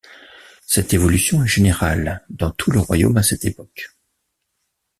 Cette évolution est générale dans tout le royaume à cette époque.